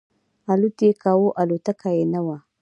الوت یې کاو الوتکه یې نه وه.